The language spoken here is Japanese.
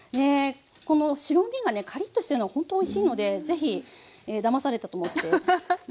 この白身がねカリッとしてるのほんとおいしいので是非だまされたと思ってヤミーですからアハッ。